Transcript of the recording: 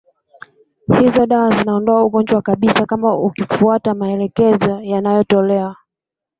Hizo dawa zinaondoa ugonjwa kabisa kama ukifuata maelekezo yanayotolewa